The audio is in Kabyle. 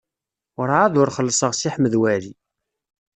Werɛad ur xellṣeɣ Si Ḥmed Waɛli.